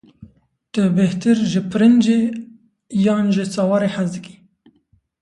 Tu bêhtir ji pirincê yan ji sawarê hez dikî?